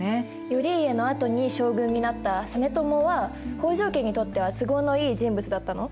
頼家のあとに将軍になった実朝は北条家にとっては都合のいい人物だったの？